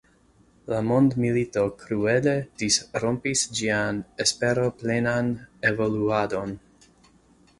La mondmilito kruele disrompis ĝian esperoplenan evoluadon.